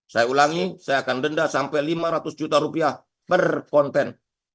saya ulangi saya akan denda sampai lima ratus juta rupiah per konten